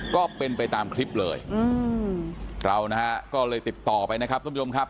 ก็เป็นไปตามคลิปเลยเราก็เลยติดต่อไปนะครับทุ่มยมครับ